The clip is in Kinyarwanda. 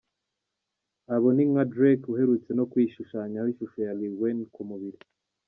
Abo ni nka Drake uherutse no kwishushanyaho ishusho ya Lil Wayne ku mubiri.